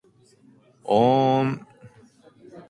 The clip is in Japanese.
おーん